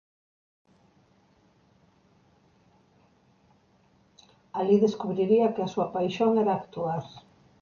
Alí descubriría que a súa paixón era actuar.